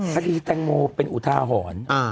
น่ะสดีแตงโมเป็นอุทาหอน